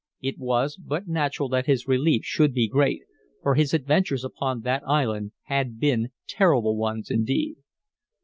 It was but natural that his relief should be great, for his adventures upon that island had been terrible ones indeed.